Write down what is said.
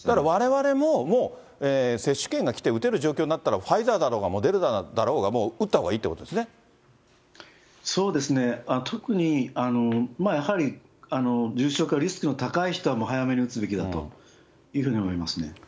われわれももう、接種券が来て打てる状況になったらファイザーだろうが、モデルナだろうが、ファイザーだろうが、もう打ったほうがいいということそうですね、特に、やはり、重症化リスクの高い人は早めに打つべきだというふうに思いますね。